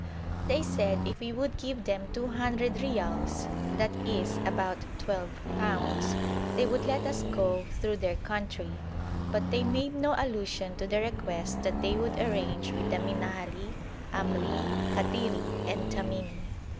They said if we would give them 200 reals, i.e. about 12_l._, they would let us go through their country, but they made no allusion to the request that they would arrange with the Minhali, Amri, Kattiri, and Tamimi.